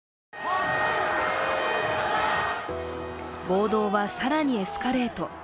暴動は更にエスカレート。